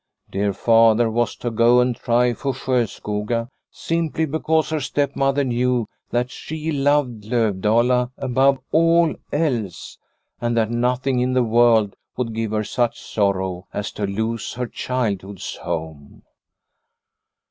Dear father was to go and try for Sjoskoga simply because her stepmother knew that she loved Lovdala above all else, and that nothing in the world would give her such sorrow as to lose her childhood's home.